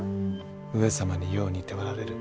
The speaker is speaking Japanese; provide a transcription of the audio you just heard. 上様によう似ておられる。